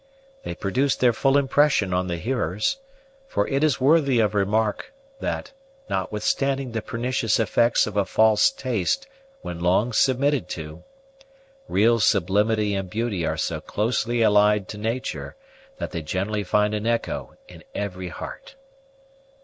They produced their full impression on the hearers; for it is worthy of remark, that, notwithstanding the pernicious effects of a false taste when long submitted to, real sublimity and beauty are so closely allied to nature that they generally find an echo in every heart.